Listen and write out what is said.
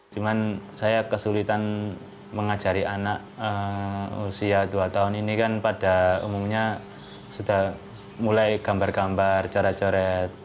cuman saya kesulitan mengajari anak usia dua tahun ini kan pada umumnya sudah mulai gambar gambar corak coret